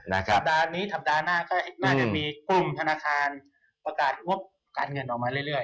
นะครับสัปดาห์นี้สัปดาห์หน้าก็อีกหน้าจะมีกลุ่มธนาคารประกาศงบการเงินออกมาเรื่อยเรื่อย